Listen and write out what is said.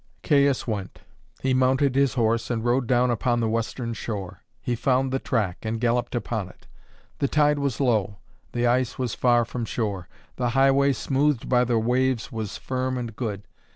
Caius went. He mounted his horse and rode down upon the western shore. He found the track, and galloped upon it. The tide was low; the ice was far from shore; the highway, smoothed by the waves, was firm and good.